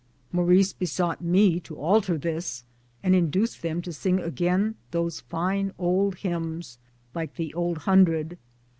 '* Maurice besought me to alter this and induce them to sing again those fine old hymns like the " Old Hun dredth."